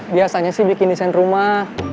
biasanya sih bikin desain rumah